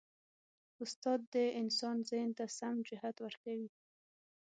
استاد د انسان ذهن ته سم جهت ورکوي.